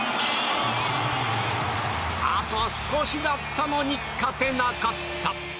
あと少しだったのに勝てなかった。